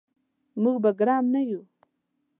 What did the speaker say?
موږ به ګرم نه یو.